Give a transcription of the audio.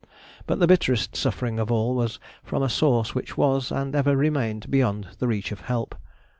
But the bitterest suffering of all was from a source which was, and ever remained, beyond the reach of help.